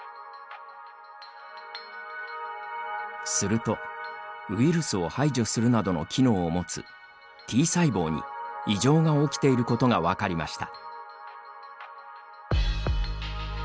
すると、ウイルスを排除するなどの機能を持つＴ細胞に異常が起きていることが分かりました。